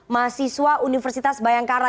mahasiswa universitas bayangkara